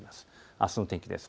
あすの天気です。